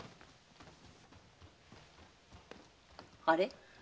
あれ？